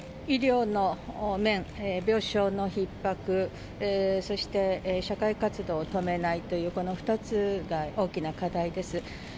医療の面、病床のひっ迫、そして、社会活動を止めないという、この２つが大きな課題です。